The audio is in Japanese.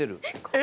え！